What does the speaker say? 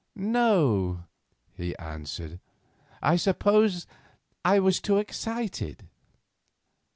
"No," he answered; "I suppose that I was too excited."